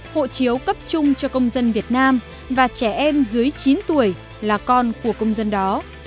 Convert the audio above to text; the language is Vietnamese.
hộ chiếu cấp chung cho công dân việt nam và trẻ em dưới chín tuổi là con của công dân đó